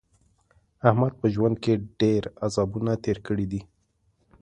احمد په ژوند کې ډېر عذابونه تېر کړي دي.